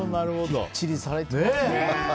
きっちりされてますね。